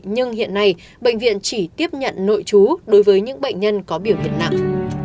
nhưng hiện nay bệnh viện chỉ tiếp nhận nội chú đối với những bệnh nhân có biểu hiện nặng